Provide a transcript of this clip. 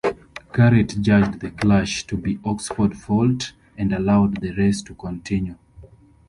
Garrett judged the clash to be Oxford's fault and allowed the race to continue.